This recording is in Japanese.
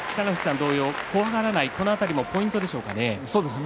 同様怖がらないこの辺りがポイントですか。